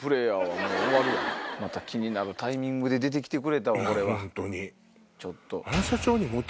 また気になるタイミングで出てきてくれたわこれは。